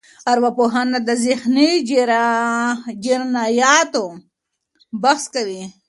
ارواپوهنه د ذهني جرياناتو بحث کوي.